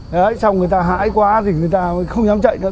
đấy xong người ta hãi quá thì người ta không dám chạy nữa